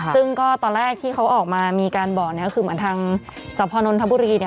ซึ่งก็ตอนแรกที่เขาออกมามีการบอกเนี่ยก็คือเหมือนทางสพนนทบุรีเนี่ย